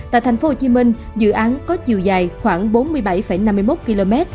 tại thành phố hồ chí minh dự án có chiều dài khoảng bốn mươi bảy năm mươi một km